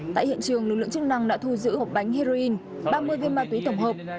tại hiện trường lực lượng chức năng đã thu giữ một bánh heroin ba mươi viên ma túy tổng hợp